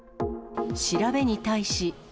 調べに対し。